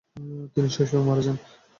তিনি শৈশবে মারা যান।